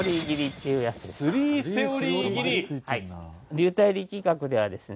流体力学ではですね